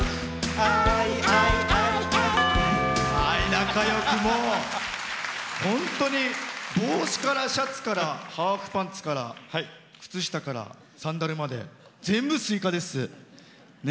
仲よく本当に帽子からシャツからハーフパンツから靴下からサンダルまで全部、すいかですね。